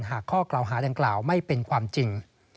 ข้อกล่าวหาดังกล่าวไม่เป็นความจริง